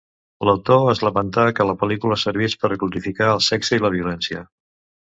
L'autor es lamentà que la pel·lícula servís per glorificar el sexe i la violència.